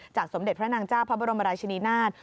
สมเด็จพระนางเจ้าพระบรมราชินีนาฏ